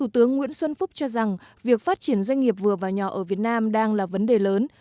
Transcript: tôi cho rằng việc phát triển doanh nghiệp vừa và nhỏ ở việt nam đang là vấn đề lớn